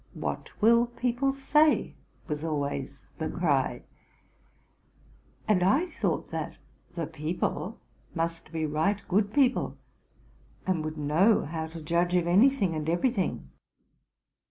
What will people say? was always the ery; and I thought that the people must be right good people, and would know how to judge of any thing and every thing.